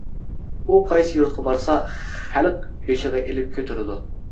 ئۇ قايسى يۇرتقا بارسا خەلق بېشىغا ئېلىپ كۆتۈرىدۇ.